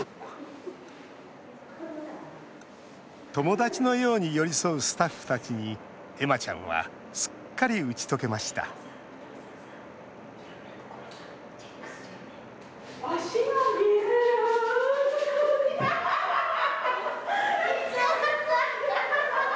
友達のように寄り添うスタッフたちに恵麻ちゃんはすっかり打ち解けました足が見える！